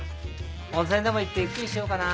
温泉でも行ってゆっくりしようかなぁ。